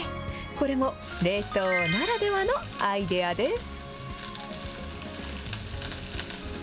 これも冷凍ならではのアイデアです。